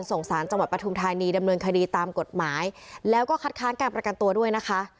สารจังหวัดปฐุมธานีดำเนินคดีตามกฎหมายแล้วก็คัดค้านการประกันตัวด้วยนะคะ